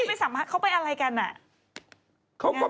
แล้วพี่ไม่สนาบเข้าไปอะไรกัน